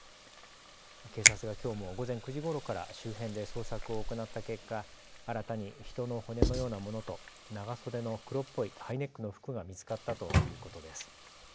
警察がきょうも午前９時ごろから周辺で捜索を行った結果、新たに人の骨のようなものと長袖の黒っぽいハイネックの服が見つかったということです。